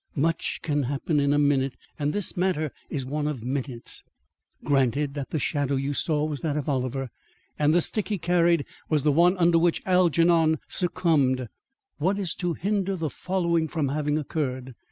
Much can happen in a minute, and this matter is one of minutes. Granted that the shadow you saw was that of Oliver, and the stick he carried was the one under which Algernon succumbed, what is to hinder the following from, having occurred.